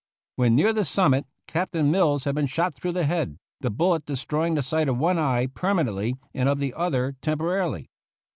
When near the summit Captain Mills had been shot through the head, the bullet destroying the sight of one eye permanently and of the other tempo rarily.